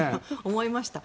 思いました。